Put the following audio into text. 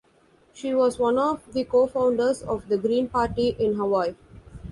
She was one of the co-founders of the Green Party in Hawaii.